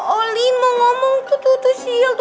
olin mau ngomong tuh tuh tuh sheila tuh